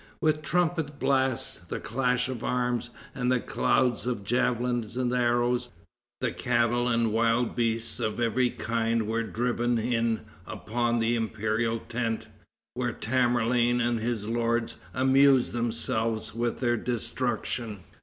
With trumpet blasts, the clash of arms and clouds of javelins and arrows, the cattle and wild beasts of every kind were driven in upon the imperial tent, where Tamerlane and his lords amused themselves with their destruction.